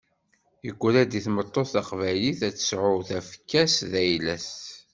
Yegra-d i tmeṭṭut taqbaylit, ad tesεu tafekka-s d ayla-s.